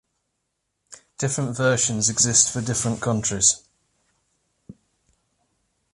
Different versions exist for different countries.